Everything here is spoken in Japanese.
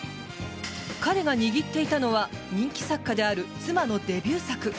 彼が握っていたのは人気作家である妻のデビュー作。